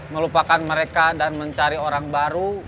melupakan mereka dan mencari orang baru